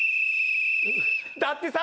だってさ。